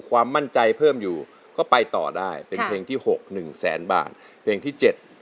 ความมั่นใจเพิ่มอยู่ก็ไปต่อได้เป็นเพลงที่๖๑๐๐๐๐๐บาทเพลงที่๗๒๐๐๐๐๐